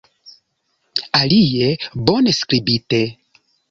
Alie, bone skribite!